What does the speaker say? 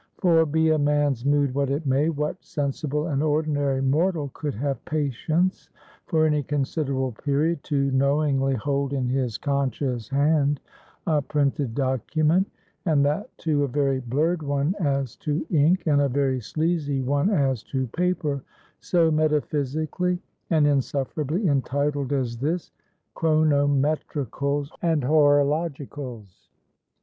For, be a man's mood what it may, what sensible and ordinary mortal could have patience for any considerable period, to knowingly hold in his conscious hand a printed document (and that too a very blurred one as to ink, and a very sleazy one as to paper), so metaphysically and insufferably entitled as this: "Chronometricals & Horologicals?"